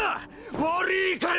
悪いかよ！？